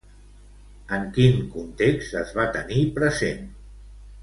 En quin context es va tenir present?